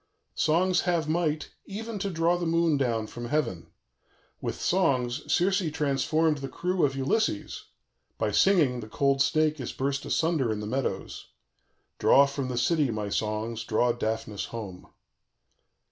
_ "Songs have might, even, to draw down the moon from heaven; with songs Circe transformed the crew of Ulysses; by singing, the cold snake is burst asunder in the meadows. "_Draw from the city, my songs, draw Daphnis home.